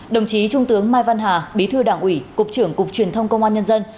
đồng chí trung tướng mai văn hà bí thư đảng ủy cục trưởng cục truyền thông công an nhân dân